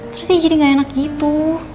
terus sih jadi gak enak gitu